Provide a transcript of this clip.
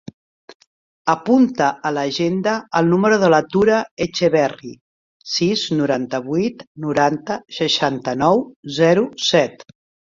Apunta a l'agenda el número de la Tura Echeverri: sis, noranta-vuit, noranta, seixanta-nou, zero, set.